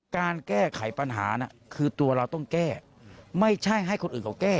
การแก้ไขปัญหาน่ะคือตัวเราต้องแก้ไม่ใช่ให้คนอื่นเขาแก้